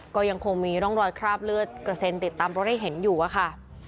ก็ยังคงมีร่องรอยคราบเลือดกระเซ็นติดตามรถให้เห็นอยู่อะค่ะ